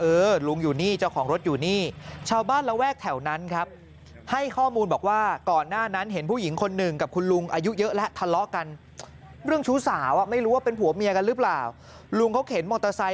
เออลุงอยู่นี่เจ้าของรถอยู่นี่